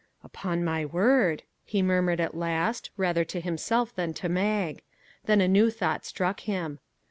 " Upon my word !" he murmured at last, rather to himself than to Mag. Then a new thought struck him.